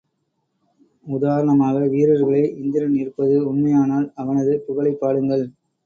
உதாரணமாக, வீரர்களே இந்திரன் இருப்பது உண்மையானால் அவனது புகழைப் பாடுங்கள்.